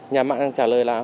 nhà mạng trả lời là